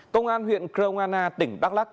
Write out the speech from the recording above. công an huyện kroana tỉnh bắc lắc